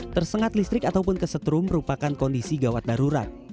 tersengat listrik ataupun kesetrum merupakan kondisi gawat darurat